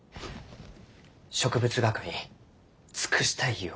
植物学に尽くしたいゆう